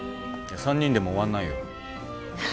３人でも終わんないよ。